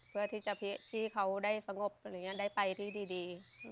ที่เขาได้สงบอะไรอย่างนี้ได้ไปที่ดี